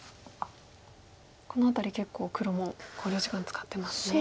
この辺り結構黒も考慮時間使ってますね。